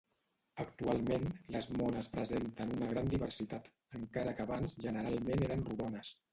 Actualment, les mones presenten una gran diversitat, encara que abans generalment eren rodones.